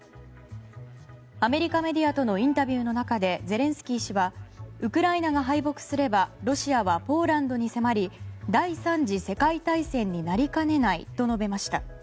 アメリカメディアとのインタビューの中でゼレンスキー氏はウクライナが敗北すればロシアはポーランドに迫り第３次世界大戦になりかねないと述べました。